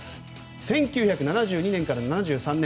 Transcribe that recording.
１９７２年から１９７３年